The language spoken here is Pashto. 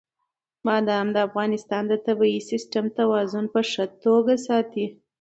بادام د افغانستان د طبعي سیسټم توازن په ښه توګه ساتي.